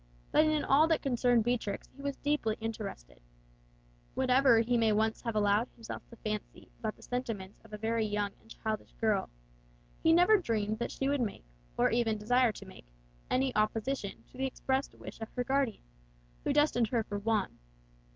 But in all that concerned Beatrix he was deeply interested. Whatever he may once have allowed himself to fancy about the sentiments of a very young and childish girl, he never dreamed that she would make, or even desire to make, any opposition to the expressed wish of her guardian, who destined her for Juan.